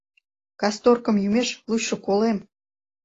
— Касторкым йӱмеш, лучо колем...